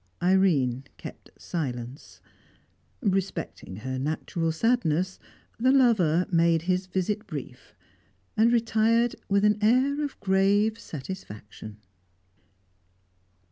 Irene kept silence. Respecting her natural sadness, the lover made his visit brief, and retired with an air of grave satisfaction.